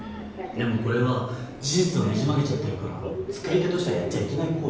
でもこれは事実をねじ曲げちゃってるから作り手としてはやっちゃいけない